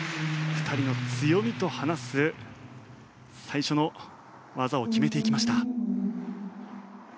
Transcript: ２人の強みと話す最初の技を決めていきました。